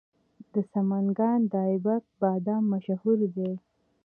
د سمنګان د ایبک بادام مشهور دي.